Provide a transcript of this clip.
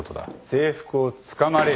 制服をつかまれる。